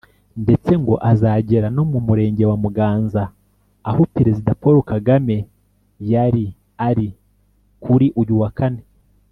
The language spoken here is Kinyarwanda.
ndetse ngo azagera no mu murenge wa Muganza aho Perezida Paul Kagame yari ari kuri uyu wa kane